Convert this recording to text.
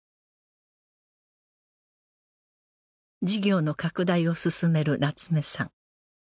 事業の拡大を進める夏目さん